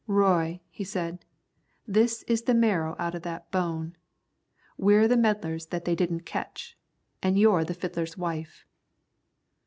"Roy," he said, "this is the marrow out of that bone. We're the meddlers that they didn't ketch, an' you're the fiddler's wife."